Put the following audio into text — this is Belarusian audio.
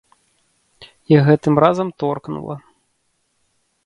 І гэтым разам торкнула.